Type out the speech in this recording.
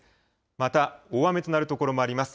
また、大雨となる所もあります。